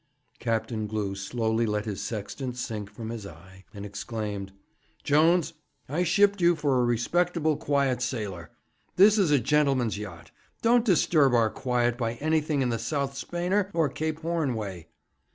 Captain Glew slowly let his sextant sink from his eye, and exclaimed: 'Jones, I shipped you for a respectable, quiet sailor. This is a gentleman's yacht. Don't disturb our quiet by anything in the South Spainer or Cape Horn way.'